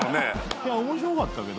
いや面白かったけど。